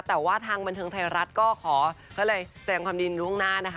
แต่ว่าทางบรรเทิงไทยรัฐก็ขอเขาเลยแจงความดีในล่วงหน้านะคะ